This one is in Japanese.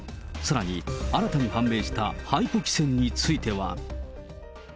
さらに、新たに判明したハイポキセンについては。